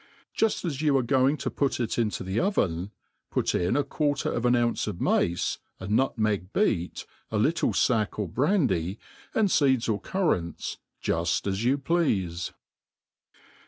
Juft as you are going to put it into the oven, put in a quarter of an ounce of mace, a nutmeg beat, a little lack or brandy, and feeds or currants, juft as you pleafe.